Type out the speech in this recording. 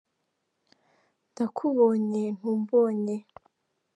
Ndakubonye ntumbonye.